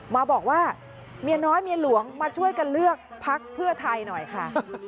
มาบอกว่าเมียน้อยเมียหลวงมาช่วยกันเลือกพักเพื่อไทยหน่อยค่ะ